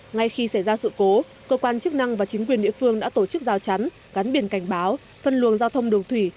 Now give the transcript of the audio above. ngay khi xảy ra sự cố cơ quan chức năng và chính quyền địa phương đã tổ chức giao chắn gắn biển cảnh báo phân luồng giao thông đường thủy